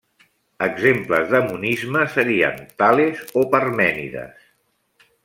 Exemples de monisme serien Tales o Parmènides.